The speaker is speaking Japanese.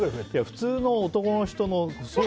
普通の男の人の。